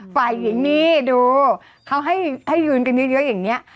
ฝ่ายหญิงนี่ดูเขาให้ยืนกันเยอะอย่างนี้